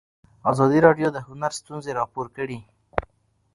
ازادي راډیو د هنر ستونزې راپور کړي.